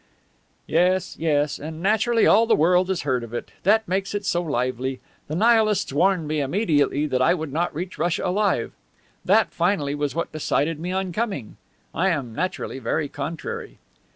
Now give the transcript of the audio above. "Yes, yes. And naturally all the world has learned of it. That makes it so lively. The Nihilists warned me immediately that I would not reach Russia alive. That, finally, was what decided me on coming. I am naturally very contrary."